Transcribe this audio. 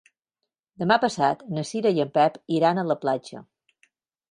Demà passat na Cira i en Pep iran a la platja.